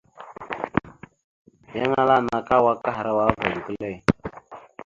Yan ala : nakawa akahərawa ava gukəle.